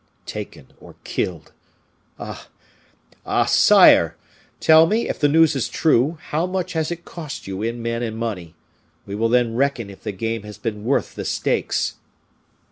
Taken or killed! Ah! Ah! sire! tell me, if the news is true, how much has it cost you in men and money. We will then reckon if the game has been worth the stakes."